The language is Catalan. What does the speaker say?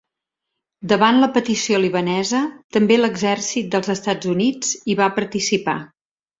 Davant la petició libanesa també l'exèrcit dels Estats Units hi va participar.